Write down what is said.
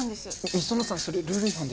美園さん